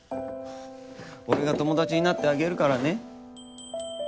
俺が友達になってあげるからね。